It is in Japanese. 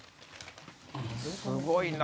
すごいな！